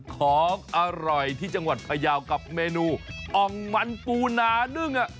ของอร่อยที่จังหวัดพยาวกับเมนูอ่องมันปูนานึ่ง